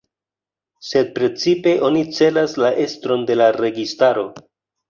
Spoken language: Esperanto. Sed precipe oni celas la estron de la registaro.